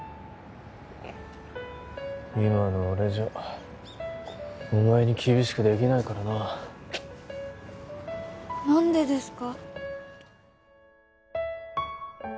今の俺じゃお前に厳しくできないからな何でですか？